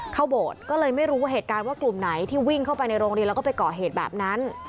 โบสถ์ก็เลยไม่รู้เหตุการณ์ว่ากลุ่มไหนที่วิ่งเข้าไปในโรงเรียนแล้วก็ไปก่อเหตุแบบนั้น